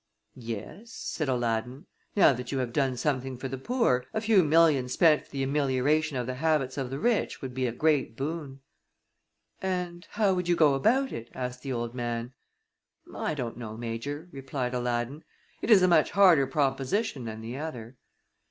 "Yes," said Aladdin. "Now that you have done something for the poor, a few millions spent for the amelioration of the habits of the rich would be a great boon." "And how would you go about it?" asked the old man. "I don't know, Major," replied Aladdin. "It is a much harder proposition than the other."